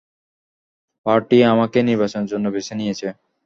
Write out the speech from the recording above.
Party আমাকেই নির্বাচনের জন্য বেছে নিয়েছে।